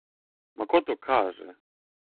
Ма ко то каже?